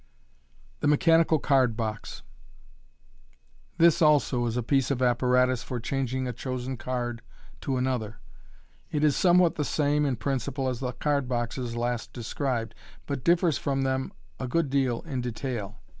The Mechanical Card box. — This also is a piece of apparatus for changing a chosen card to another. It is somewhat the same in principle as the card boxes last described, but differs from them a good deal in detail.